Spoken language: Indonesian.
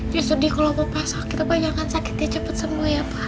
ya sedih kalo papa sakit apa yang akan sakitnya cepet sembuh ya pak